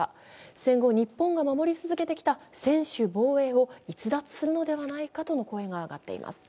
戦後日本が守り続けてきた専守防衛を逸脱するのではないかとの声が上がっています。